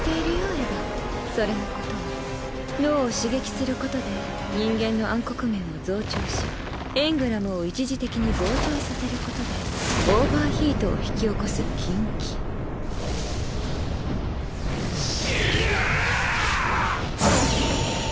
エヴァンそれのことは脳を刺激することで人間の暗黒面を増長しエングラムを一時的に膨張させることでオーバーヒートを引き起こす禁忌死ね！